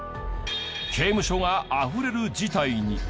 刑務所があふれる事態に！